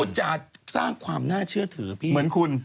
จะสร้างความน่าเชื่อถือพี่เหมือนคุณ